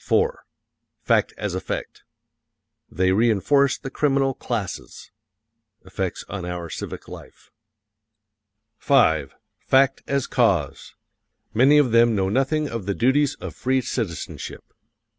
FACT AS EFFECT: They reënforce the criminal classes. (Effects on our civic life.) V. FACT AS CAUSE: Many of them know nothing of the duties of free citizenship.